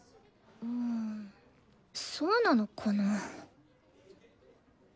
んそうなのかなぁ？